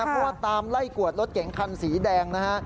เพราะว่าตามไล่กวดรถเก๋งคันสีแดงนะฮะ